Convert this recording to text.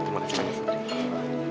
terima kasih banyak